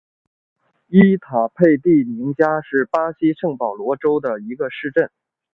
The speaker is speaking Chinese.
伊塔佩蒂宁加是巴西圣保罗州的一个市镇。